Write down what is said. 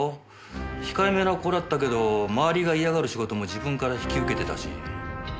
控えめな子だったけど周りが嫌がる仕事も自分から引き受けてたし。